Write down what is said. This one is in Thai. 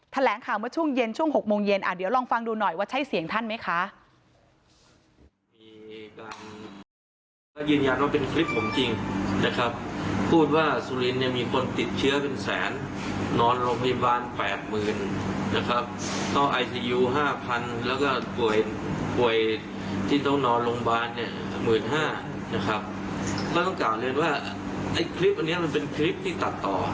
แถลงข่าวเมื่อช่วงเย็นช่วง๖โมงเย็นเดี๋ยวลองฟังดูหน่อยว่าใช่เสียงท่านไหมคะ